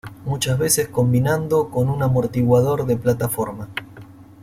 Muchas veces combinando con un amortiguador de plataforma.